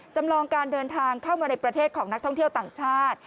จำลองการเดินทางเข้ามาในประเทศของนักท่องเที่ยวต่างชาติ